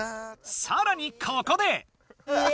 さらにここで！